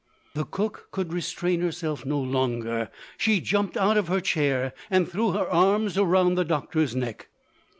The cook could restrain herself no longer. She jumped out of her chair, and threw her arms round the doctor's neck.